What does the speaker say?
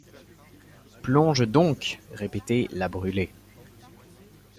Plonge donc! répétait la Brûlé.